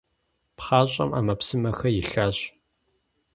ПхъащӀэм Ӏэмэпсымэхэр илъащ.